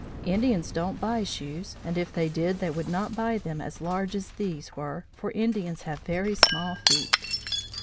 'Indians don't buy shoes, and if they did they would not buy them as large as these were, for Indians have very small feet.'